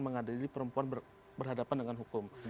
mengadili perempuan berhadapan dengan hukum